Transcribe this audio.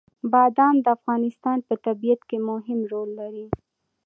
بادام د افغانستان په طبیعت کې مهم رول لري.